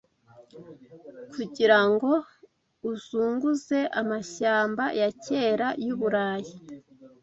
Kugira ngo uzunguze amashyamba ya kera y’Uburayi